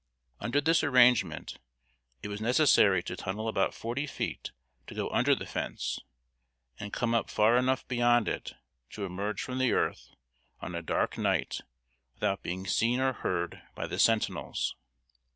Under this arrangement it was necessary to tunnel about forty feet to go under the fence, and come up far enough beyond it to emerge from the earth on a dark night without being seen or heard by the sentinels.